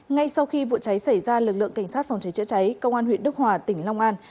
ngay sau khi vụ cháy xảy ra lực lượng cảnh sát phòng cháy chữa cháy công an huyện đức hòa tỉnh long an